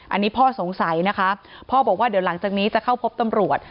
อันนี้พ่อสงสัยนะคะพ่อบอกว่าเดี๋ยวหลังจากนี้จะเข้าพบตำรวจ